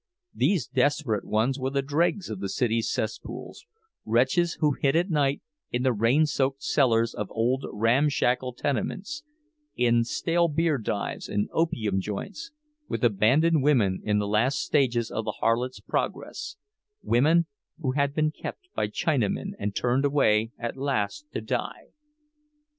These desperate ones were the dregs of the city's cesspools, wretches who hid at night in the rain soaked cellars of old ramshackle tenements, in "stale beer dives" and opium joints, with abandoned women in the last stages of the harlot's progress—women who had been kept by Chinamen and turned away at last to die.